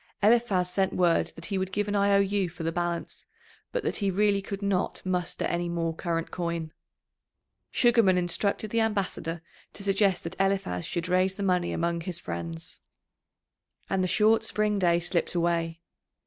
Eliphaz sent word that he would give an I O U for the balance, but that he really could not muster any more current coin. Sugarman instructed the ambassador to suggest that Eliphaz should raise the money among his friends. And the short spring day slipped away.